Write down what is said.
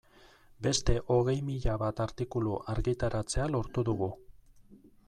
Beste hogei mila bat artikulu argitaratzea lortu dugu.